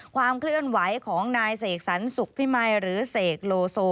ความเคลื่อนไหวของนายเสกสรรสุขพิมัยหรือเสกโลโซ